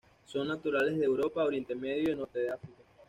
Son naturales de Europa, Oriente Medio y norte de África.